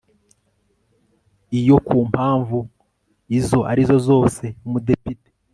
iyo ku mpamvu izo ari zo zose umudepite